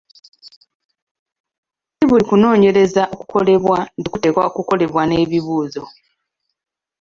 Si buli kunoonyereza okukolebwa nti kuteekwa okukolebwako n’ebibuuzo.